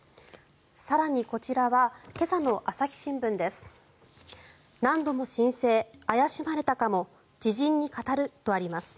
更に、こちらは今朝の朝日新聞です。